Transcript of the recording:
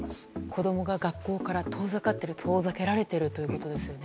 子供が学校から遠ざかっている遠ざけられているということですよね。